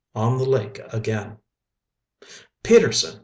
ON THE LAKE AGAIN. "Peterson!"